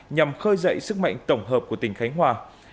nhằm khơi dậy sức mạnh tổng hợp của tỉnh khánh hòa